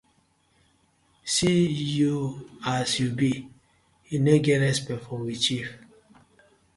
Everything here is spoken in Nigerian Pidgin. See yur as yu bi, yu no get respect for we chief.